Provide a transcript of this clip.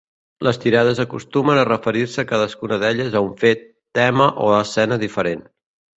Les tirades acostumen a referir-se cadascuna d'elles a un fet, tema o escena diferent.